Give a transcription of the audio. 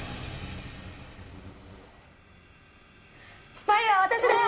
スパイは私です！